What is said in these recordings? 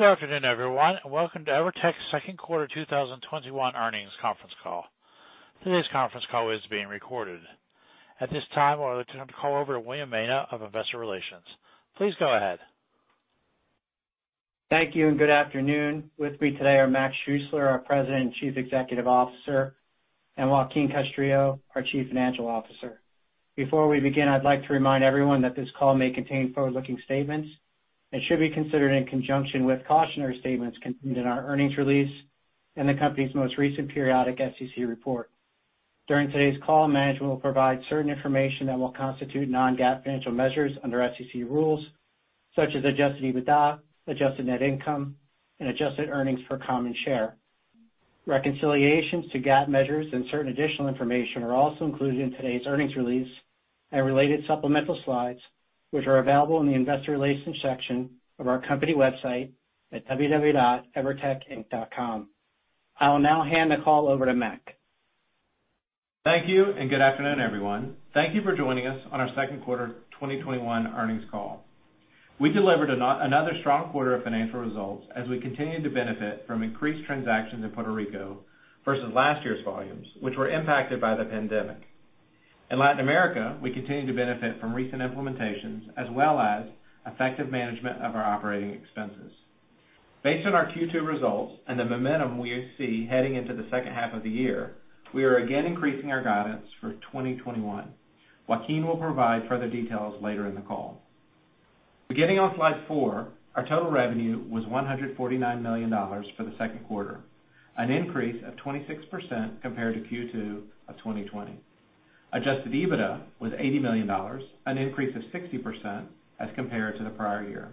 Good afternoon, everyone, welcome to Evertec's second quarter 2021 earnings conference call. Today's conference call is being recorded. At this time, I would like to turn the call over to William Maina of Investor Relations. Please go ahead. Thank you, and good afternoon. With me today are Mac Schuessler, our President and Chief Executive Officer, and Joaquín Castrillo, our Chief Financial Officer. Before we begin, I'd like to remind everyone that this call may contain forward-looking statements and should be considered in conjunction with cautionary statements contained in our earnings release in the company's most recent periodic SEC report. During today's call, management will provide certain information that will constitute non-GAAP financial measures under SEC rules, such as adjusted EBITDA, adjusted net income, and adjusted earnings per common share. Reconciliations to GAAP measures and certain additional information are also included in today's earnings release and related supplemental slides, which are available in the investor relations section of our company website at www.Evertecinc.com. I will now hand the call over to Mac. Thank you, and good afternoon, everyone. Thank you for joining us on our second quarter 2021 earnings call. We delivered another strong quarter of financial results as we continue to benefit from increased transactions in Puerto Rico versus last year's volumes, which were impacted by the pandemic. In Latin America, we continue to benefit from recent implementations as well as effective management of our operating expenses. Based on our Q2 results and the momentum we see heading into the second half of the year, we are again increasing our guidance for 2021. Joaquín will provide further details later in the call. Beginning on slide 4, our total revenue was $149 million for the second quarter, an increase of 26% compared to Q2 of 2020. Adjusted EBITDA was $80 million, an increase of 60% as compared to the prior year.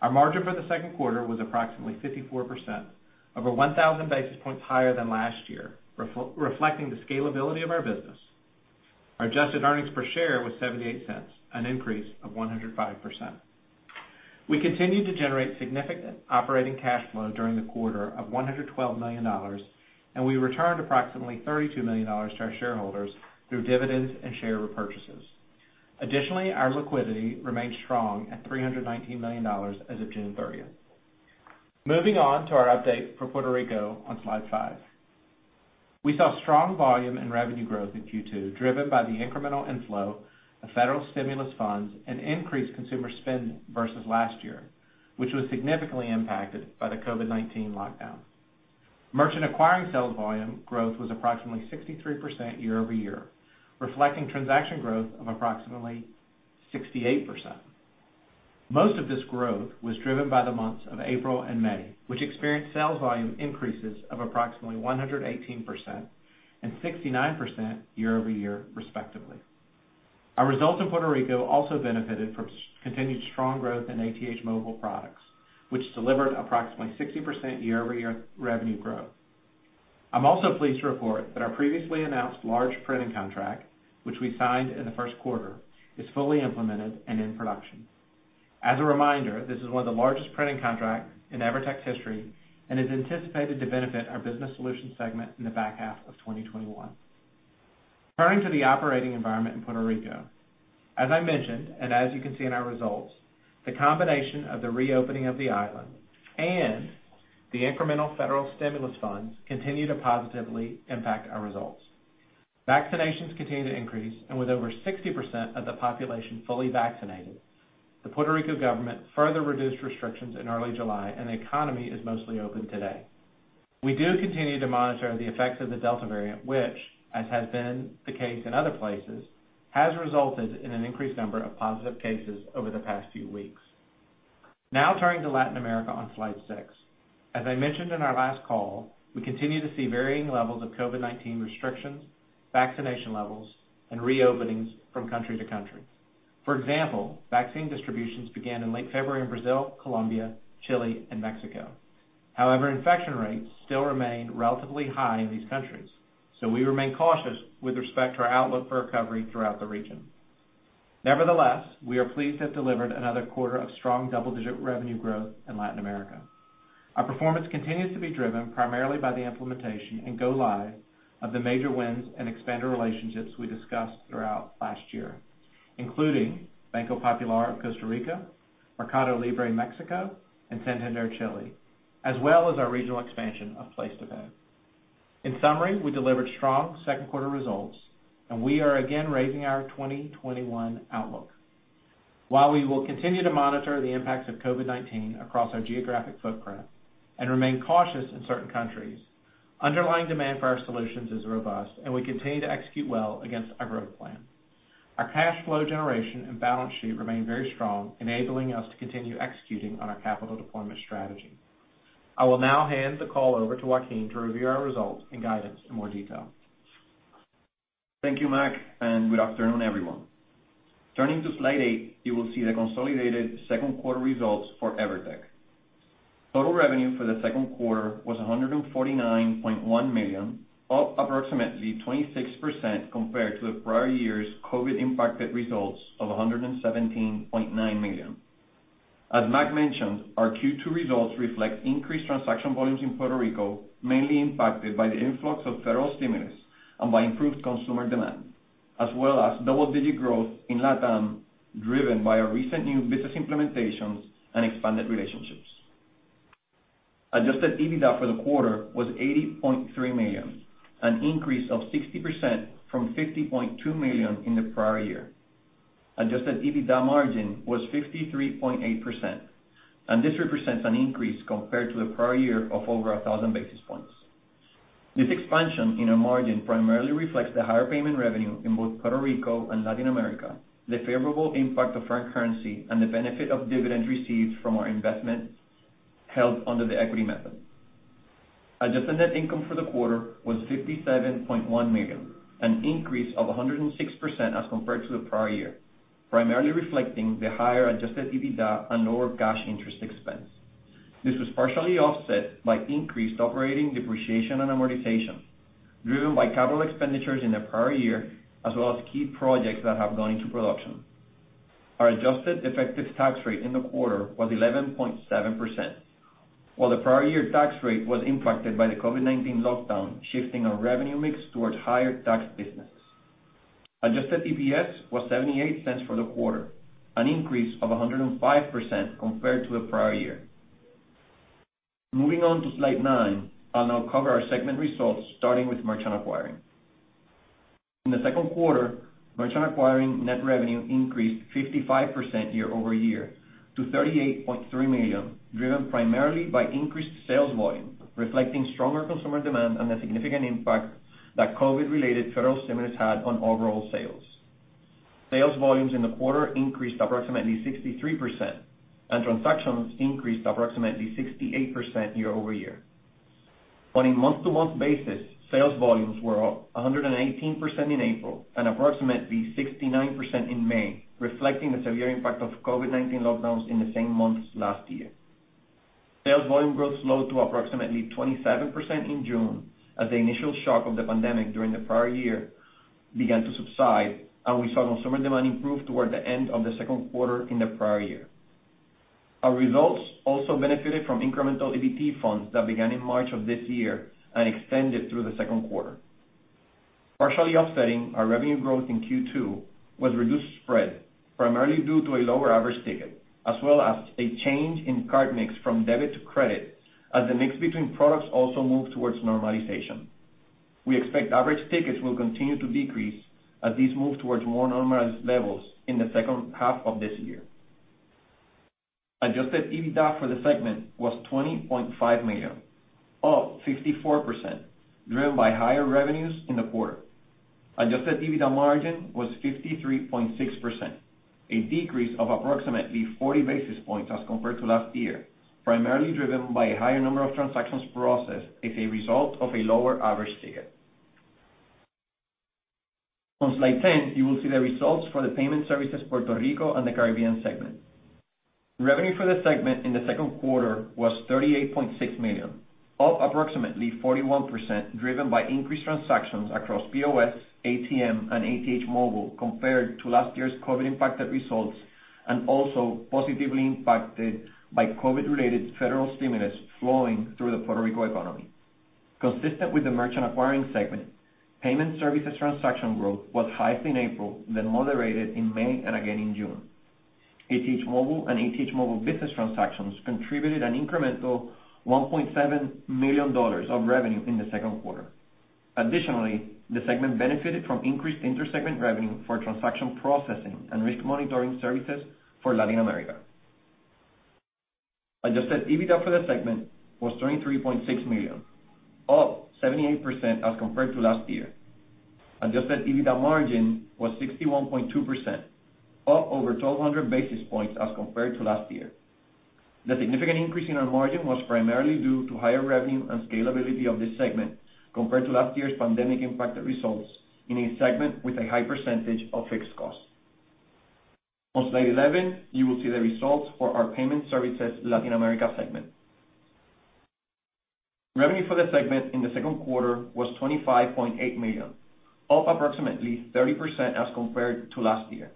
Our margin for the second quarter was approximately 54%, over 1,000 basis points higher than last year, reflecting the scalability of our business. Our adjusted earnings per share was $0.78, an increase of 105%. We continued to generate significant operating cash flow during the quarter of $112 million, and we returned approximately $32 million to our shareholders through dividends and share repurchases. Additionally, our liquidity remains strong at $319 million as of June 30th. Moving on to our update for Puerto Rico on slide 5. We saw strong volume and revenue growth in Q2, driven by the incremental inflow of federal stimulus funds and increased consumer spend versus last year, which was significantly impacted by the COVID-19 lockdown. Merchant Acquiring sales volume growth was approximately 63% year-over-year, reflecting transaction growth of approximately 68%. Most of this growth was driven by the months of April and May, which experienced sales volume increases of approximately 118% and 69% year-over-year, respectively. Our results in Puerto Rico also benefited from continued strong growth in ATH Móvil products, which delivered approximately 60% year-over-year revenue growth. I'm also pleased to report that our previously announced large printing contract, which we signed in the first quarter, is fully implemented and in production. As a reminder, this is one of the largest printing contracts in Evertec's history and is anticipated to benefit our Business Solutions segment in the back half of 2021. Turning to the operating environment in Puerto Rico. As I mentioned, and as you can see in our results, the combination of the reopening of the island and the incremental federal stimulus funds continue to positively impact our results. Vaccinations continue to increase, and with over 60% of the population fully vaccinated, the Puerto Rico government further reduced restrictions in early July and the economy is mostly open today. We do continue to monitor the effects of the Delta variant, which, as has been the case in other places, has resulted in an increased number of positive cases over the past few weeks. Now turning to Latin America on slide six. As I mentioned in our last call, we continue to see varying levels of COVID-19 restrictions, vaccination levels, and reopenings from country to country. For example, vaccine distributions began in late February in Brazil, Colombia, Chile, and Mexico. However, infection rates still remain relatively high in these countries. We remain cautious with respect to our outlook for recovery throughout the region. Nevertheless, we are pleased to have delivered another quarter of strong double-digit revenue growth in Latin America. Our performance continues to be driven primarily by the implementation and go live of the major wins and expanded relationships we discussed throughout last year, including Banco Popular of Costa Rica, Mercado Libre Mexico, and Santander Chile, as well as our regional expansion of PlacetoPay. In summary, we delivered strong second quarter results, and we are again raising our 2021 outlook. While we will continue to monitor the impacts of COVID-19 across our geographic footprint and remain cautious in certain countries, underlying demand for our solutions is robust, and we continue to execute well against our growth plan. Our cash flow generation and balance sheet remain very strong, enabling us to continue executing on our capital deployment strategy. I will now hand the call over to Joaquín to review our results and guidance in more detail. Thank you, Mac. Good afternoon, everyone. Turning to slide 8, you will see the consolidated second quarter results for Evertec. Total revenue for the second quarter was $149.1 million, up approximately 26% compared to the prior year's COVID-impacted results of $117.9 million. As Mac mentioned, our Q2 results reflect increased transaction volumes in Puerto Rico, mainly impacted by the influx of federal stimulus and by improved consumer demand. As well as double-digit growth in LatAm, driven by our recent new business implementations and expanded relationships. Adjusted EBITDA for the quarter was $80.3 million, an increase of 60% from $50.2 million in the prior year. Adjusted EBITDA margin was 53.8%, and this represents an increase compared to the prior year of over 1,000 basis points. This expansion in our margin primarily reflects the higher payment revenue in both Puerto Rico and Latin America, the favorable impact of foreign currency, and the benefit of dividend receipts from our investment held under the equity method. Adjusted net income for the quarter was $57.1 million, an increase of 106% as compared to the prior year, primarily reflecting the higher adjusted EBITDA and lower cash interest expense. This was partially offset by increased operating depreciation and amortization, driven by capital expenditures in the prior year, as well as key projects that have gone into production. Our adjusted effective tax rate in the quarter was 11.7%, while the prior year tax rate was impacted by the COVID-19 lockdown, shifting our revenue mix towards higher-tax business. Adjusted EPS was $0.78 for the quarter, an increase of 105% compared to the prior year. Moving on to slide 9, I'll now cover our segment results, starting with Merchant Acquiring. In the second quarter, Merchant Acquiring net revenue increased 55% year-over-year to $38.3 million, driven primarily by increased sales volume, reflecting stronger consumer demand and the significant impact that COVID-related federal stimulus had on overall sales. Sales volumes in the quarter increased approximately 63%, and transactions increased approximately 68% year-over-year. On a month-to-month basis, sales volumes were up 118% in April and approximately 69% in May, reflecting the severe impact of COVID-19 lockdowns in the same months last year. Sales volume growth slowed to approximately 27% in June as the initial shock of the pandemic during the prior year began to subside, and we saw consumer demand improve toward the end of the second quarter in the prior year. Our results also benefited from incremental EBT funds that began in March of this year and extended through the second quarter. Partially offsetting our revenue growth in Q2 was reduced spread, primarily due to a lower average ticket, as well as a change in card mix from debit to credit as the mix between products also moved towards normalization. We expect average tickets will continue to decrease as these move towards more normalized levels in the second half of this year. Adjusted EBITDA for the segment was $20.5 million, up 54%, driven by higher revenues in the quarter. Adjusted EBITDA margin was 53.6%, a decrease of approximately 40 basis points as compared to last year, primarily driven by a higher number of transactions processed as a result of a lower average ticket. On slide 10, you will see the results for the Payment Services Puerto Rico and the Caribbean segment. Revenue for the segment in the second quarter was $38.6 million, up approximately 41%, driven by increased transactions across POS, ATM, and ATH Móvil compared to last year's COVID-19-impacted results, and also positively impacted by COVID-19-related federal stimulus flowing through the Puerto Rico economy. Consistent with the Merchant Acquiring segment, Payment Services transaction growth was highest in April, then moderated in May and again in June. ATH Móvil and ATH Móvil Business transactions contributed an incremental $1.7 million of revenue in the second quarter. Additionally, the segment benefited from increased inter-segment revenue for transaction processing and risk monitoring services for Latin America. Adjusted EBITDA for the segment was $23.6 million, up 78% as compared to last year. Adjusted EBITDA margin was 61.2%, up over 1,200 basis points as compared to last year. The significant increase in our margin was primarily due to higher revenue and scalability of this segment compared to last year's pandemic-impacted results in a segment with a high percentage of fixed costs. On slide 11, you will see the results for our Payment Services Latin America segment. Revenue for the segment in the second quarter was $25.8 million, up approximately 30% as compared to last year.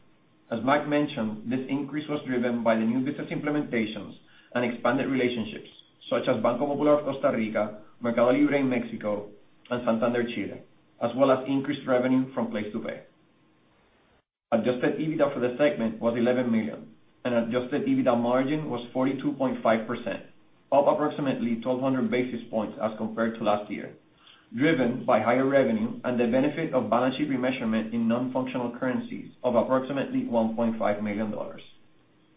As Mac mentioned, this increase was driven by the new business implementations and expanded relationships such as Banco Popular Costa Rica, Mercado Libre Mexico, and Santander Chile, as well as increased revenue from PlacetoPay. Adjusted EBITDA for the segment was $11 million, and adjusted EBITDA margin was 42.5%, up approximately 1,200 basis points as compared to last year, driven by higher revenue and the benefit of balance sheet remeasurement in non-functional currencies of approximately $1.5 million.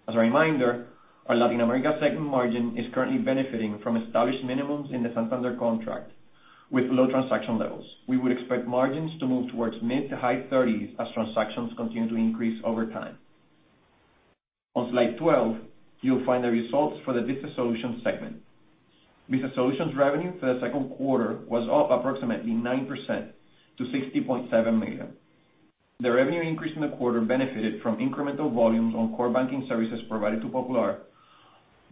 As a reminder, our Latin America segment margin is currently benefiting from established minimums in the Banco Santander contract with low transaction levels. We would expect margins to move towards mid-to-high 30% as transactions continue to increase over time. On slide 12, you will find the results for the Business Solutions segment. Business Solutions revenue for the second quarter was up approximately 9% to $60.7 million. The revenue increase in the quarter benefited from incremental volumes on core banking services provided to Popular,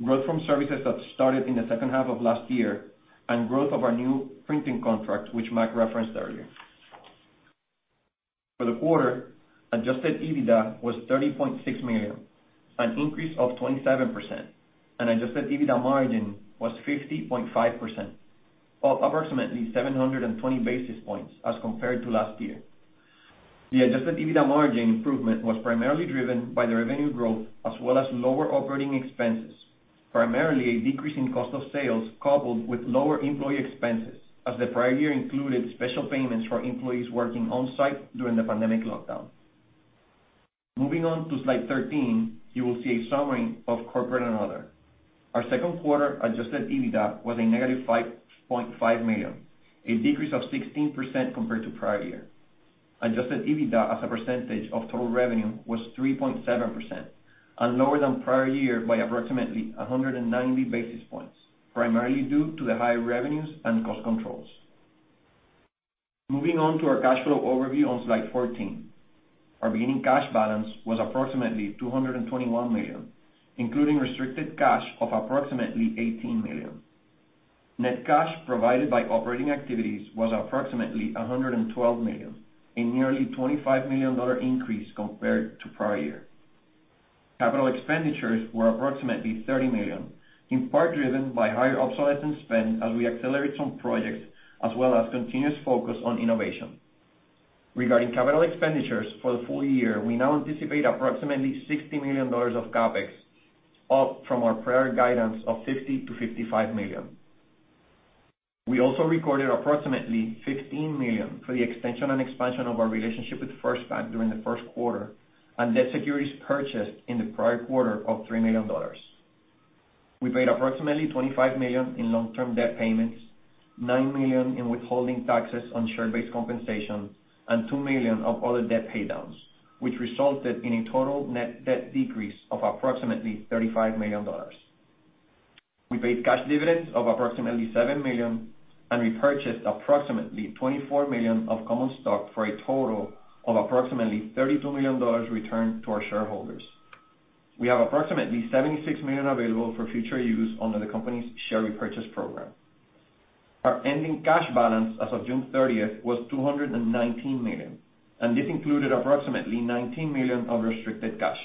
growth from services that started in the second half of last year, and growth of our new printing contract, which Mac referenced earlier. For the quarter, adjusted EBITDA was $30.6 million, an increase of 27%, and adjusted EBITDA margin was 50.5%. Up approximately 720 basis points as compared to last year. The adjusted EBITDA margin improvement was primarily driven by the revenue growth as well as lower operating expenses, primarily a decrease in cost of sales coupled with lower employee expenses as the prior year included special payments for employees working on-site during the pandemic lockdown. Moving on to slide 13, you will see a summary of corporate and other. Our second quarter adjusted EBITDA was a -$5.5 million, a decrease of 16% compared to prior year. Adjusted EBITDA as a percentage of total revenue was 3.7%, lower than prior year by approximately 190 basis points, primarily due to the higher revenues and cost controls. Moving on to our cash flow overview on slide 14. Our beginning cash balance was approximately $221 million, including restricted cash of approximately $18 million. Net cash provided by operating activities was approximately $112 million, a nearly $25 million increase compared to prior year. Capital expenditures were approximately $30 million, in part driven by higher obsolescence spend as we accelerate some projects, as well as continuous focus on innovation. Regarding capital expenditures for the full year, we now anticipate approximately $60 million of CapEx, up from our prior guidance of $50 million-$55 million. We also recorded approximately $15 million for the extension and expansion of our relationship with FirstBank during the first quarter, and debt securities purchased in the prior quarter of $3 million. We paid approximately $25 million in long-term debt payments, $9 million in withholding taxes on share-based compensation, and $2 million of other debt paydowns, which resulted in a total net debt decrease of approximately $35 million. We paid cash dividends of approximately $7 million and repurchased approximately $24 million of common stock for a total of approximately $32 million returned to our shareholders. We have approximately $76 million available for future use under the company's share repurchase program. Our ending cash balance as of June 30th was $219 million, and this included approximately $19 million of restricted cash.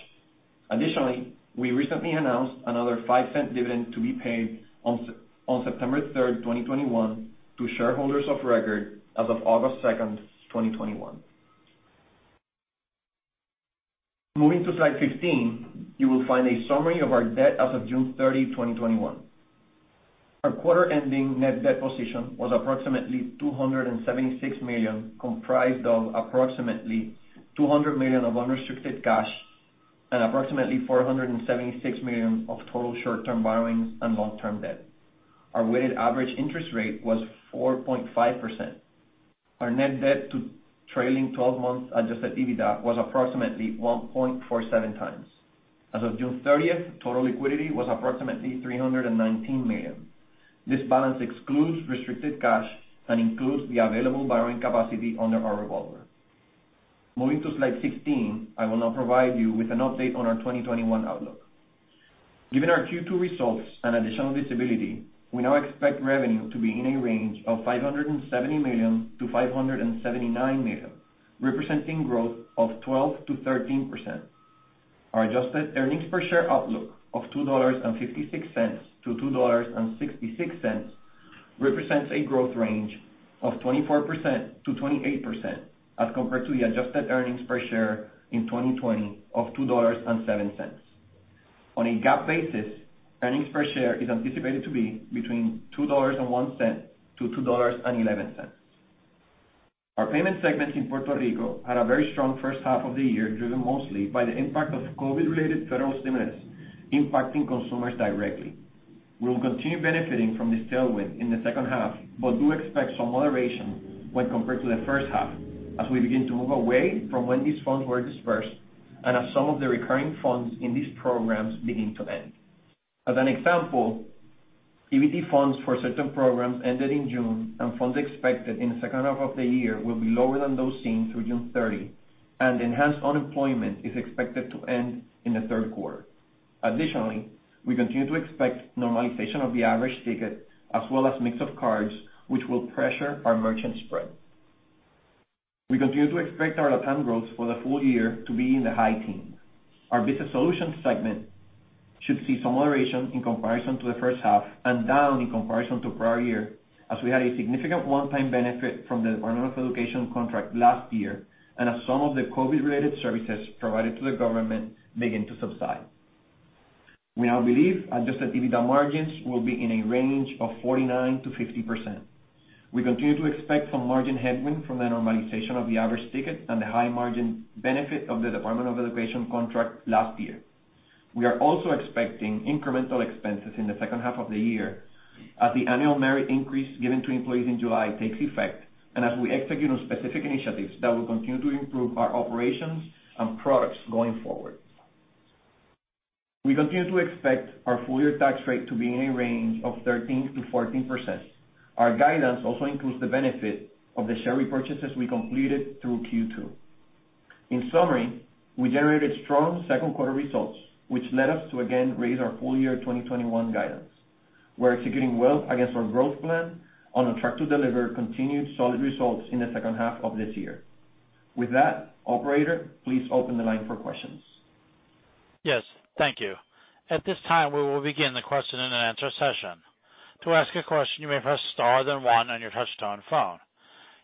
Additionally, we recently announced another $0.05 dividend to be paid on September 3rd, 2021, to shareholders of record as of August 2nd, 2021. Moving to slide 15, you will find a summary of our debt as of June 30, 2021. Our quarter-ending net debt position was approximately $276 million, comprised of approximately $200 million of unrestricted cash and approximately $476 million of total short-term borrowings and long-term debt. Our weighted average interest rate was 4.5%. Our net debt to trailing 12 months adjusted EBITDA was approximately 1.47x. As of June 30th, total liquidity was approximately $319 million. This balance excludes restricted cash and includes the available borrowing capacity under our revolver. Moving to slide 16, I will now provide you with an update on our 2021 outlook. Given our Q2 results and additional visibility, we now expect revenue to be in a range of $570 million-$579 million, representing growth of 12%-13%. Our adjusted earnings per share outlook of $2.56-$2.66 represents a growth range of 24%-28% as compared to the adjusted earnings per share in 2020 of $2.07. On a GAAP basis, earnings per share is anticipated to be between $2.01-$2.11. Our payments segment in Puerto Rico had a very strong first half of the year, driven mostly by the impact of COVID-19-related federal stimulus impacting consumers directly. We will continue benefiting from this tailwind in the second half, but do expect some moderation when compared to the first half as we begin to move away from when these funds were dispersed and as some of the recurring funds in these programs begin to end. As an example, EBT funds for certain programs ended in June. Funds expected in the second half of the year will be lower than those seen through June 30. Enhanced unemployment is expected to end in the third quarter. Additionally, we continue to expect normalization of the average ticket as well as mix of cards, which will pressure our merchant spread. We continue to expect our LatAm growth for the full year to be in the high teens. Our Business Solutions segment should see some moderation in comparison to the first half and down in comparison to prior year, as we had a significant one-time benefit from the Department of Education contract last year and as some of the COVID-related services provided to the government begin to subside. We now believe adjusted EBITDA margins will be in a range of 49%-50%. We continue to expect some margin headwind from the normalization of the average ticket and the high margin benefit of the Department of Education contract last year. We are also expecting incremental expenses in the second half of the year as the annual merit increase given to employees in July takes effect and as we execute on specific initiatives that will continue to improve our operations and products going forward. We continue to expect our full-year tax rate to be in a range of 13%-14%. Our guidance also includes the benefit of the share repurchases we completed through Q2. In summary, we generated strong second quarter results, which led us to again raise our full-year 2021 guidance. We're executing well against our growth plan on a track to deliver continued solid results in the second half of this year. With that, operator, please open the line for questions. Yes. Thank you. At this time, we will begin the question and answer session. To ask a question, you may press star, then one on your touchtone phone.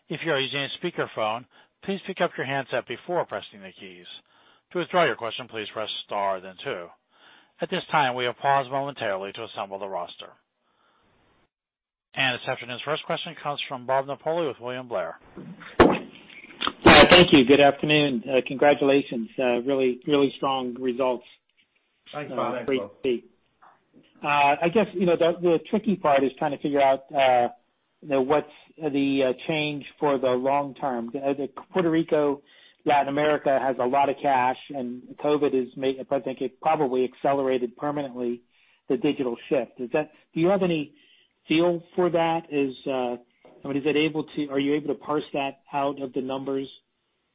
If you are using a speakerphone, please pick up your handset before pressing the keys. To withdraw your question, please press star, then two. At this time, we will pause momentarily to assemble the roster. This afternoon's first question comes from Bob Napoli with William Blair. Thank you. Good afternoon. Congratulations. Really strong results. Thanks, Bob. Great to see. I guess the tricky part is trying to figure out what's the change for the long term. Puerto Rico, Latin America has a lot of cash and COVID-19, I think it probably accelerated permanently the digital shift. Do you have any feel for that? Are you able to parse that out of the numbers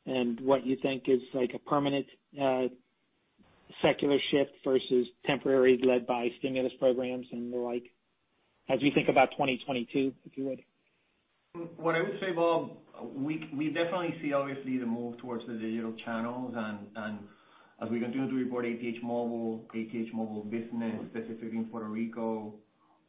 and what you think is a permanent secular shift versus temporary led by stimulus programs and the like as we think about 2022, if you would? What I would say, Bob, we definitely see obviously the move towards the digital channels and as we continue to report ATH Móvil, ATH Móvil Business specific in Puerto Rico.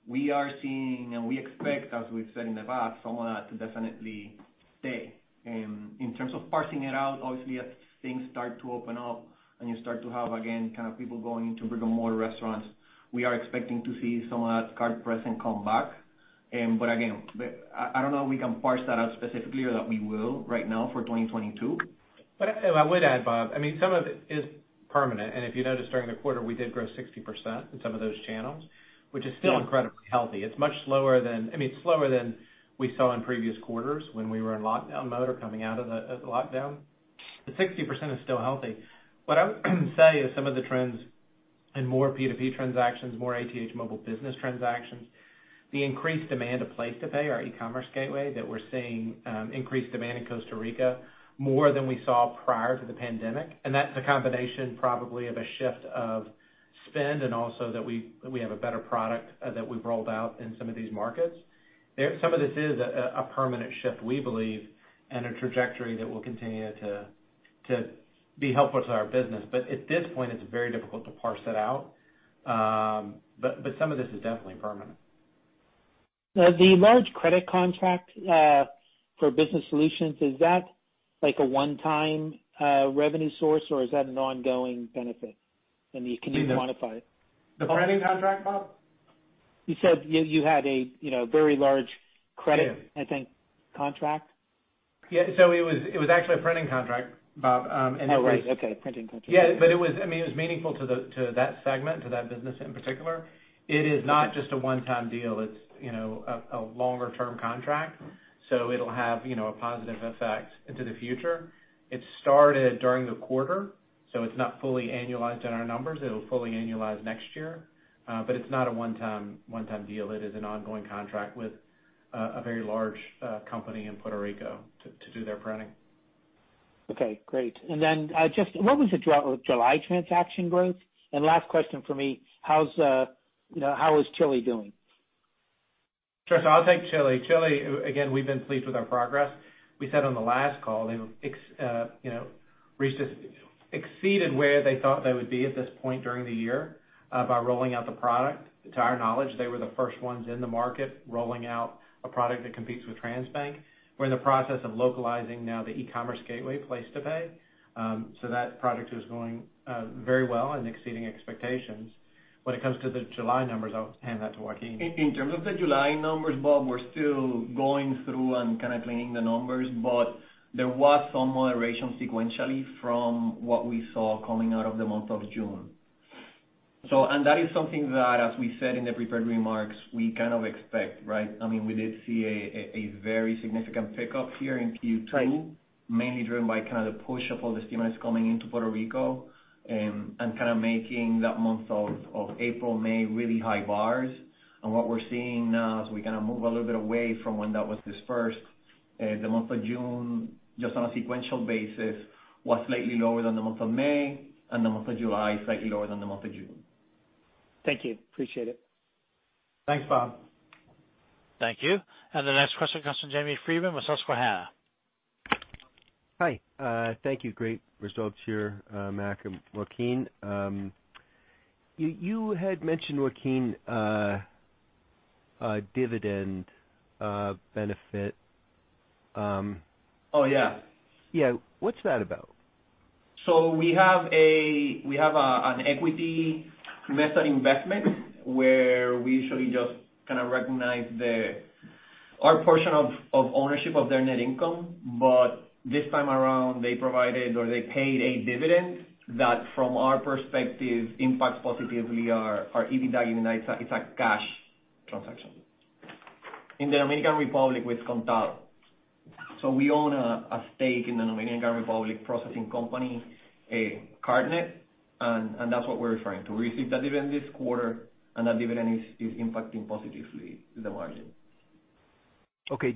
We are seeing and we expect, as we've said in the past, some of that to definitely stay. In terms of parsing it out, obviously as things start to open up and you start to have again people going into brick and mortar restaurants, we are expecting to see some of that card present come back. Again, I don't know if we can parse that out specifically or that we will right now for 2022. I would add, Bob, some of it is permanent. If you notice during the quarter, we did grow 60% in some of those channels, which is still incredibly healthy. It's much slower than we saw in previous quarters when we were in lockdown mode or coming out of the lockdown. 60% is still healthy. What I would say is some of the trends in more P2P transactions, more ATH Móvil Business transactions, the increased demand of PlacetoPay our e-commerce gateway that we're seeing increased demand in Costa Rica more than we saw prior to the pandemic. That's a combination probably of a shift of spend and also that we have a better product that we've rolled out in some of these markets. Some of this is a permanent shift we believe, and a trajectory that will continue to be helpful to our business. At this point it's very difficult to parse it out. Some of this is definitely permanent. The large credit contract for Business Solutions, is that a one-time revenue source or is that an ongoing benefit? Can you quantify it? The printing contract, Bob? You said you had a very large credit. Yeah I think contract. Yeah. It was actually a printing contract, Bob. Oh, right. Okay. Printing contract. Yeah. It was meaningful to that segment, to that business in particular. It is not just a one-time deal. It's a longer-term contract. It'll have a positive effect into the future. It started during the quarter, so it's not fully annualized in our numbers. It'll fully annualize next year. It's not a one-time deal. It is an ongoing contract with a very large company in Puerto Rico to do their printing. Okay. Great. Just what was the July transaction growth? Last question from me. How is Chile doing? Sure. I'll take Chile. Chile, again, we've been pleased with our progress. We said on the last call they've exceeded where they thought they would be at this point during the year by rolling out the product. To our knowledge, they were the first ones in the market rolling out a product that competes with Transbank. We're in the process of localizing now the e-commerce gateway PlacetoPay. That project is going very well and exceeding expectations. When it comes to the July numbers, I'll hand that to Joaquín. In terms of the July numbers, Bob, we're still going through and kind of cleaning the numbers, but there was some moderation sequentially from what we saw coming out of the month of June. That is something that, as we said in the prepared remarks, we kind of expect, right? We did see a very significant pickup here in Q2. Right. Mainly driven by kind of the push of all the stimulus coming into Puerto Rico and kind of making that month of April, May really high bars. What we're seeing now as we kind of move a little bit away from when that was dispersed, the month of June, just on a sequential basis, was slightly lower than the month of May, and the month of July slightly lower than the month of June. Thank you. Appreciate it. Thanks, Bob. Thank you. The next question comes from Jamie Friedman with Susquehanna. Hi. Thank you. Great results here, Mac and Joaquín. You had mentioned, Joaquín, a dividend benefit. Oh, yeah. Yeah. What's that about? We have an equity method investment where we usually just kind of recognize our portion of ownership of their net income. This time around they provided or they paid a dividend that from our perspective impacts positively our EBITDA. It's a cash transaction. In the Dominican Republic with Consorcio. We own a stake in the Dominican Republic processing company, CardNET, and that's what we're referring to. We received that dividend this quarter and that dividend is impacting positively the margin. Okay.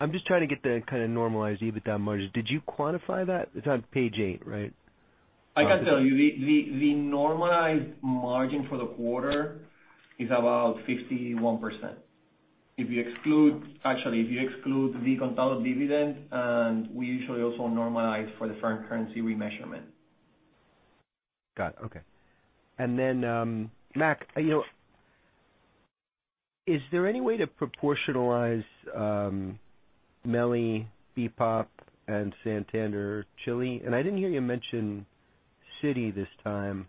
I'm just trying to get the kind of normalized EBITDA margin. Did you quantify that? It's on page 8, right? I can tell you. The normalized margin for the quarter is about 51%. If you exclude the Contado dividend, and we usually also normalize for the foreign currency remeasurement. Got it. Okay. Mac, is there any way to proportionalize Meli, Banco Popular, and Banco Santander-Chile? I didn't hear you mention Citi this time.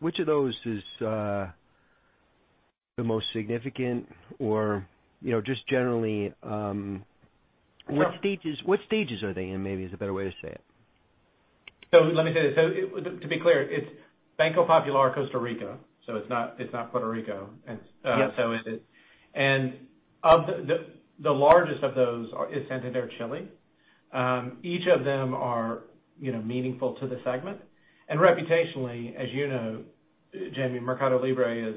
Which of those is the most significant? Just generally, what stages are they in, maybe is a better way to say it. Let me say this. To be clear, it's Banco Popular, Costa Rica, so it's not Puerto Rico. Yes. The largest of those is Santander Chile. Each of them are meaningful to the segment. Reputationally, as you know, Jamie, Mercado Libre is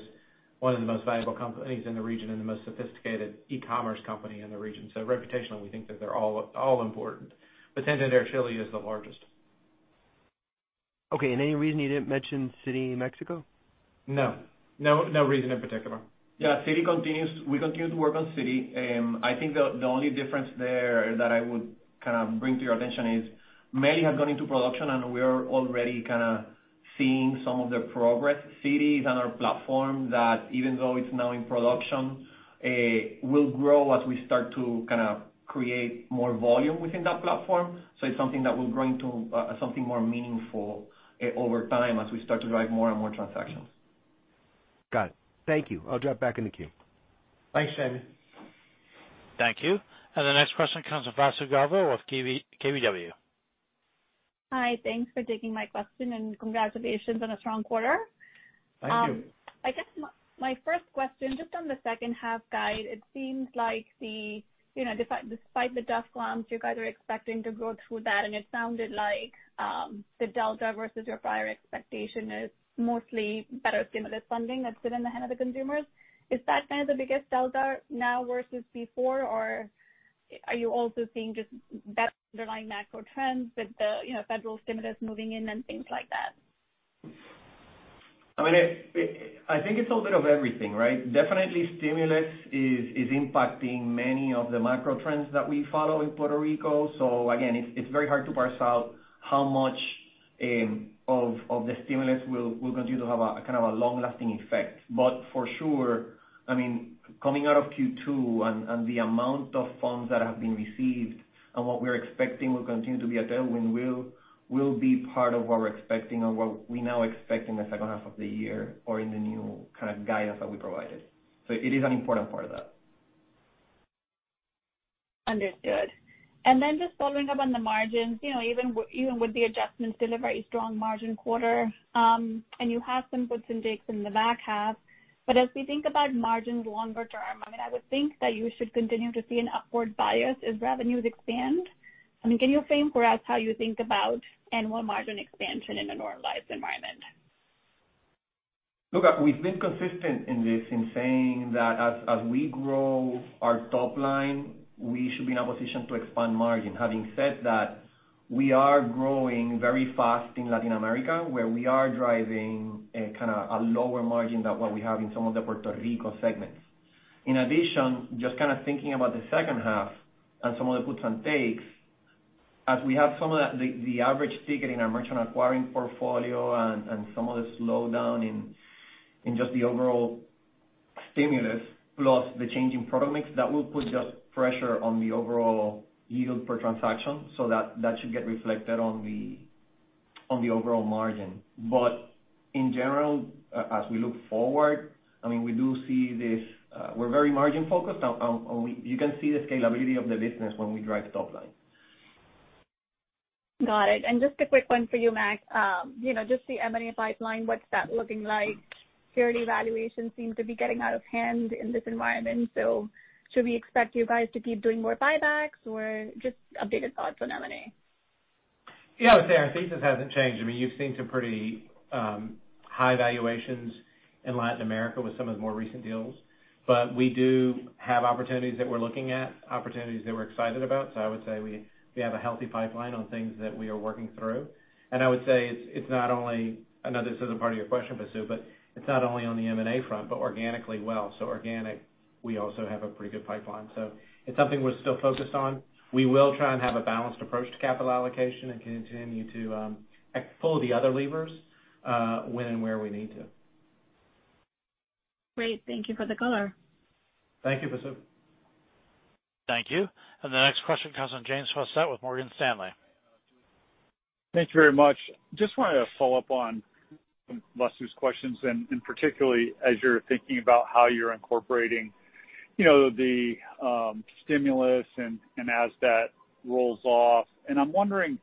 one of the most valuable companies in the region and the most sophisticated e-commerce company in the region. Reputationally, we think that they're all important, but Banco Santander Chile is the largest. Okay, any reason you didn't mention Citi Mexico? No. No reason in particular. Yeah. We continue to work on Citi. I think the only difference there that I would bring to your attention is MercadoLibre has gone into production, and we are already kind of seeing some of their progress. Citi is on our platform that even though it's now in production, will grow as we start to create more volume within that platform. It's something that will grow into something more meaningful over time as we start to drive more and more transactions. Got it. Thank you. I'll drop back in the queue. Thanks, Jamie. Thank you. The next question comes from Vasu Govil with KBW. Hi, thanks for taking my question and congratulations on a strong quarter. Thank you. I guess my first question, just on the second half guide, it seems like despite the tough comps, you guys are expecting to grow through that, and it sounded like the delta versus your prior expectation is mostly better stimulus funding that's been in the hand of the consumers. Is that kind of the biggest delta now versus before? Or are you also seeing just better underlying macro trends with the federal stimulus moving in and things like that? I think it's a little bit of everything, right? Definitely stimulus is impacting many of the macro trends that we follow in Puerto Rico. Again, it's very hard to parse out how much of the stimulus will continue to have a long-lasting effect. For sure, coming out of Q2 and the amount of funds that have been received and what we're expecting will continue to be a tailwind will be part of what we're expecting or what we now expect in the second half of the year or in the new kind of guidance that we provided. It is an important part of that. Understood. Then just following up on the margins, even with the adjustments, still a very strong margin quarter. You have some puts and takes in the back half. As we think about margins longer term, I would think that you should continue to see an upward bias as revenues expand. Can you frame for us how you think about annual margin expansion in a normalized environment? Look, we've been consistent in this in saying that as we grow our top line, we should be in a position to expand margin. Having said that, we are growing very fast in Latin America, where we are driving a lower margin than what we have in some of the Puerto Rico segments. In addition, just kind of thinking about the second half and some of the puts and takes, as we have some of the average ticket in our merchant acquiring portfolio and some of the slowdown in just the overall stimulus, plus the change in product mix, that will put just pressure on the overall yield per transaction. That should get reflected on the overall margin. In general, as we look forward, we're very margin focused, and you can see the scalability of the business when we drive top line. Got it. Just a quick one for you, Mac. Just the M&A pipeline, what's that looking like? Share valuation seems to be getting out of hand in this environment. Should we expect you guys to keep doing more buybacks or just updated thoughts on M&A? Yeah. Vasu, our thesis hasn't changed. You've seen some pretty high valuations in Latin America with some of the more recent deals. We do have opportunities that we're looking at, opportunities that we're excited about. I would say we have a healthy pipeline on things that we are working through. I would say it's not only, I know this isn't part of your question, Vasu, but it's not only on the M&A front, but organically, well. Organic, we also have a pretty good pipeline. It's something we're still focused on. We will try and have a balanced approach to capital allocation and continue to pull the other levers when and where we need to. Great. Thank you for the color. Thank you, Vasu. Thank you. The next question comes from James Faucette with Morgan Stanley. Thank you very much. Just wanted to follow up on Vasu's questions, particularly as you're thinking about how you're incorporating the stimulus and as that rolls off. I'm wondering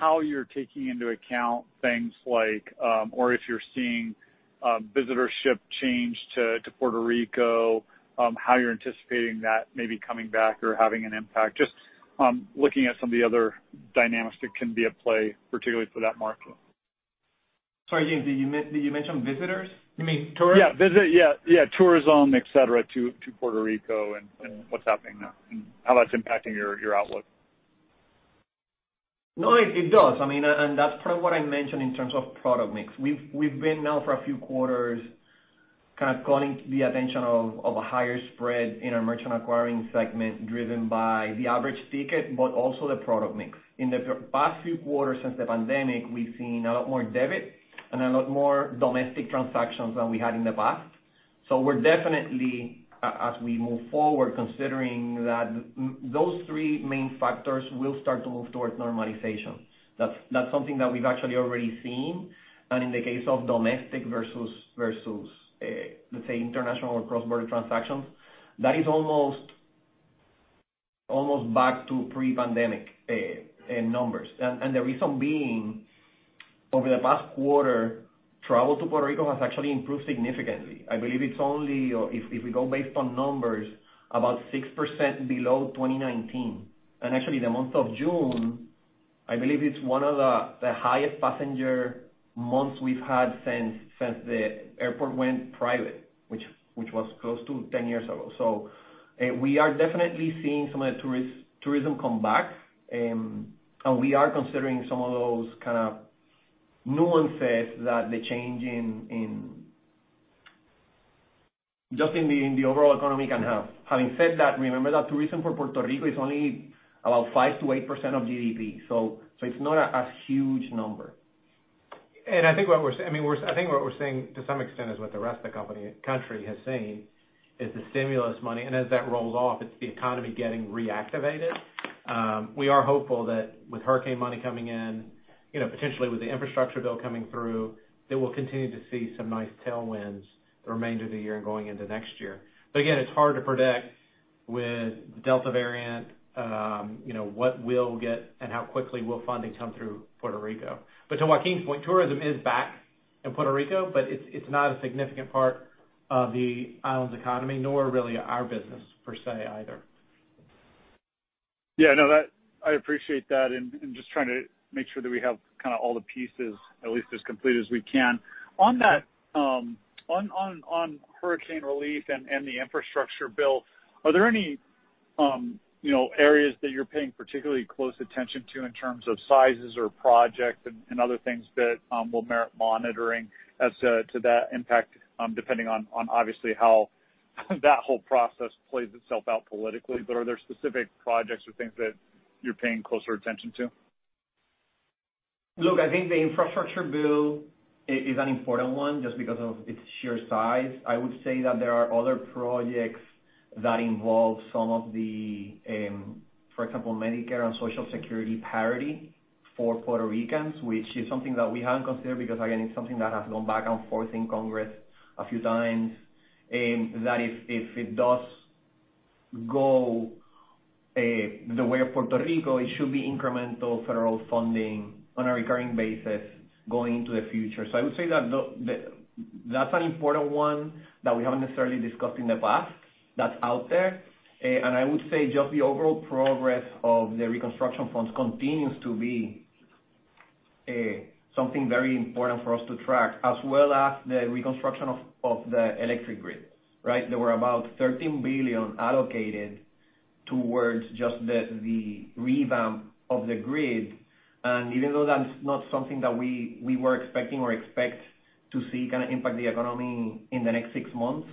how you're taking into account things like, or if you're seeing visitorship change to Puerto Rico, how you're anticipating that maybe coming back or having an impact, just looking at some of the other dynamics that can be at play, particularly for that market. Sorry, James, did you mention visitors? You mean tourists? Yeah. Tourism, et cetera, to Puerto Rico and what's happening there and how that's impacting your outlook? No, it does. That's part of what I mentioned in terms of product mix. We've been now for a few quarters kind of calling the attention of a higher spread in our Merchant Acquiring segment, driven by the average ticket, but also the product mix. In the past few quarters since the pandemic, we've seen a lot more debit and a lot more domestic transactions than we had in the past. We're definitely, as we move forward, considering that those three main factors will start to move towards normalization. That's something that we've actually already seen. In the case of domestic versus, let's say, international or cross-border transactions, that is almost back to pre-pandemic numbers. The reason being, over the past quarter, travel to Puerto Rico has actually improved significantly. I believe it's only, if we go based on numbers, about 6% below 2019. Actually, the month of June, I believe it's one of the highest passenger months we've had since the airport went private, which was close to 10 years ago. We are definitely seeing some of the tourism come back, and we are considering some of those kind of nuances that the change in just in the overall economy can have. Having said that, remember that tourism for Puerto Rico is only about 5%-8% of GDP, so it's not a huge number. I think what we're saying to some extent is what the rest of the country has seen, is the stimulus money. As that rolls off, it's the economy getting reactivated. We are hopeful that with hurricane money coming in, potentially with the infrastructure bill coming through, that we'll continue to see some nice tailwinds the remainder of the year and going into next year. Again, it's hard to predict with Delta variant what we'll get and how quickly will funding come through Puerto Rico. To Joaquín's point, tourism is back in Puerto Rico, but it's not a significant part of the island's economy, nor really our business, per se, either. Yeah. No, I appreciate that. Just trying to make sure that we have kind of all the pieces at least as complete as we can. On hurricane relief and the infrastructure bill, are there any areas that you're paying particularly close attention to in terms of sizes or projects and other things that will merit monitoring as to that impact, depending on obviously how that whole process plays itself out politically? Are there specific projects or things that you're paying closer attention to? Look, I think the infrastructure bill is an important one just because of its sheer size. I would say that there are other projects that involve some of the, for example, Medicare and Social Security parity for Puerto Ricans, which is something that we haven't considered because, again, it's something that has gone back and forth in Congress a few times. If it does go the way of Puerto Rico, it should be incremental federal funding on a recurring basis going into the future. I would say that's an important one that we haven't necessarily discussed in the past that's out there. I would say just the overall progress of the reconstruction funds continues to be something very important for us to track, as well as the reconstruction of the electric grid. Right? There were about $13 billion allocated towards just the revamp of the grid. Even though that's not something that we were expecting or expect to see kind of impact the economy in the next six months,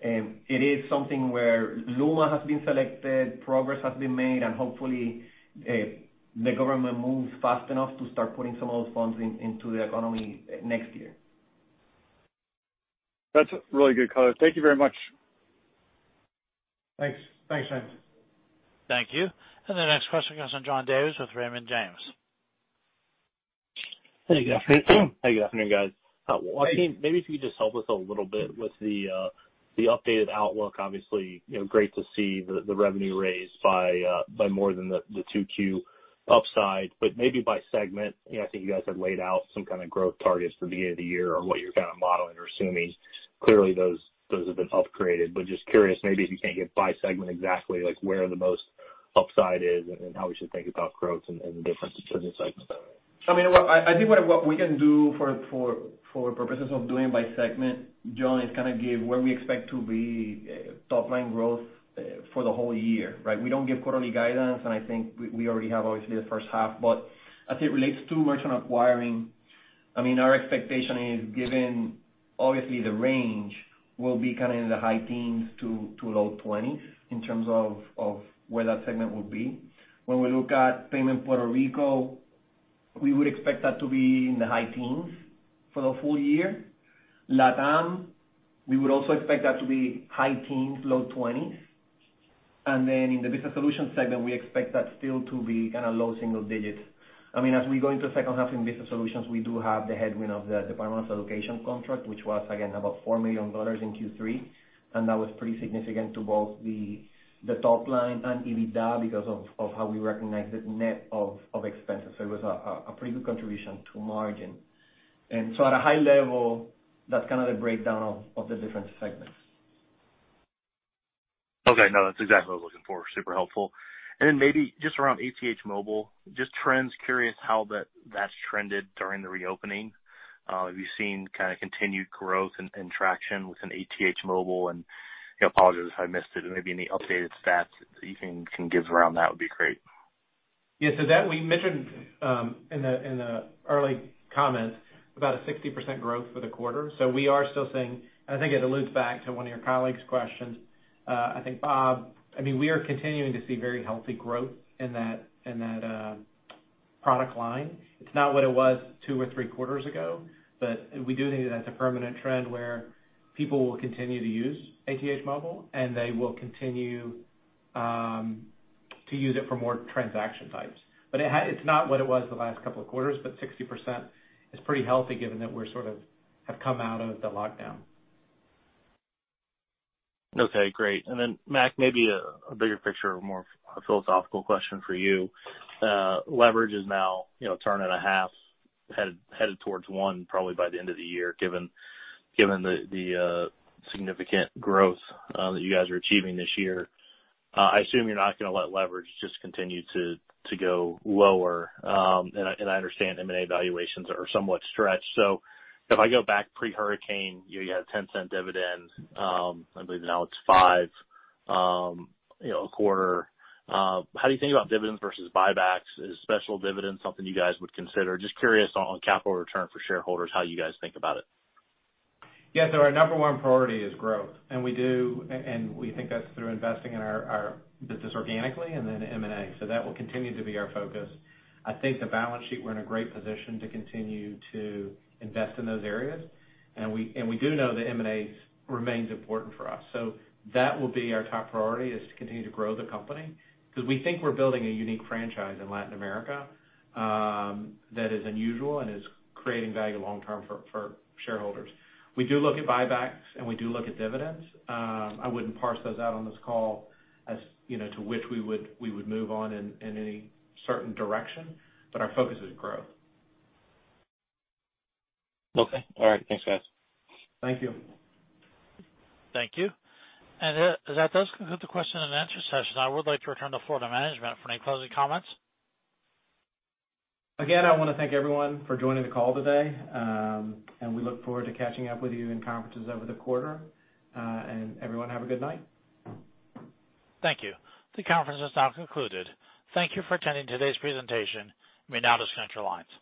it is something where LUMA has been selected, progress has been made, and hopefully the government moves fast enough to start putting some of those funds into the economy next year. That's really good color. Thank you very much. Thanks. Thank you. The next question goes to John Davis with Raymond James. Hey, good afternoon, guys. Joaquín, maybe if you could just help us a little bit with the updated outlook. Obviously, great to see the revenue raise by more than the 2Q upside. Maybe by segment, I think you guys had laid out some kind of growth targets for the end of the year or what you're kind of modeling or assuming. Clearly, those have been upgraded. Just curious, maybe if you can't give by segment exactly like where the most upside is and how we should think about growth and the difference between the segments. I think what we can do for purposes of doing by segment, John, is kind of give where we expect to be top-line growth for the whole year. Right? We don't give quarterly guidance, and I think we already have obviously the first half. As it relates to Merchant Acquiring, our expectation is given obviously the range will be kind of in the high teens to low 20% in terms of where that segment will be. When we look at Payment Puerto Rico, we would expect that to be in the high teens for the full year. LatAm, we would also expect that to be high teens, low 20%. Then in the Business Solutions segment, we expect that still to be kind of low single digits. As we go into the second half in Business Solutions, we do have the headwind of the Department of Education contract, which was again about $4 million in Q3, that was pretty significant to both the top line and EBITDA because of how we recognized it net of expenses. It was a pretty good contribution to margin. At a high level, that's kind of the breakdown of the different segments. Okay. No, that's exactly what I was looking for. Super helpful. Maybe just around ATH Móvil, just trends, curious how that's trended during the reopening. Have you seen kind of continued growth and traction within ATH Móvil? Apologies if I missed it, maybe any updated stats that you can give around that would be great. Yes. That we mentioned in the early comments about a 60% growth for the quarter. We are still seeing, and I think it alludes back to one of your colleague's questions, I think, Bob. We are continuing to see very healthy growth in that product line. It's not what it was two or three quarters ago, we do think that's a permanent trend where people will continue to use ATH Móvil, and they will continue to use it for more transaction types. It's not what it was the last couple of quarters, but 60% is pretty healthy given that we sort of have come out of the lockdown. Okay, great. Mac, maybe a bigger picture, a more philosophical question for you. Leverage is now a ton and a half, headed towards 1x probably by the end of the year, given the significant growth that you guys are achieving this year. I assume you're not going to let leverage just continue to go lower. I understand M&A valuations are somewhat stretched. If I go back pre-hurricane, you had a $0.10 dividend. I believe now it's $0.05 a quarter. How do you think about dividends versus buybacks? Is special dividends something you guys would consider? Just curious on capital return for shareholders, how you guys think about it. Our number one priority is growth. We think that's through investing in our business organically and then M&A. That will continue to be our focus. I think the balance sheet, we're in a great position to continue to invest in those areas. We do know that M&A remains important for us. That will be our top priority, is to continue to grow the company because we think we're building a unique franchise in Latin America that is unusual and is creating value long-term for shareholders. We do look at buybacks, and we do look at dividends. I wouldn't parse those out on this call as to which we would move on in any certain direction, but our focus is growth. Okay. All right. Thanks, guys. Thank you. Thank you. That does conclude the question and answer session. I would like to return the floor to management for any closing comments. Again, I want to thank everyone for joining the call today. We look forward to catching up with you in conferences over the quarter. Everyone, have a good night. Thank you. The conference is now concluded. Thank you for attending today's presentation, Renatus Center Alliance.